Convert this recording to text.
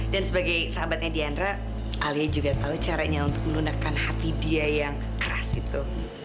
dan sebagai sahabatnya diandra alia juga tahu caranya untuk menunakkan hati dia yang keras itu